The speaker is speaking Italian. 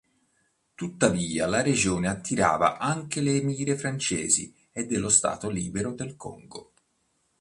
Tuttavia la regione attirava anche le mire francesi e dello Stato Libero del Congo.